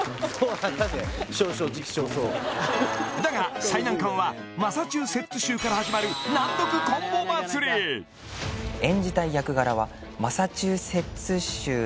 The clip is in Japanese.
確かにだが最難関は「マサチューセッツ州」から始まる「演じたい役柄はマサチューセッツ州の」